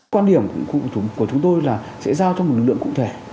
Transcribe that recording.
quan điểm của chúng tôi là sẽ giao cho một lực lượng cụ thể